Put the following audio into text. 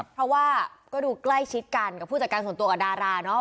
เพราะว่าก็ดูใกล้ชิดกันกับผู้จัดการส่วนตัวกับดาราเนอะ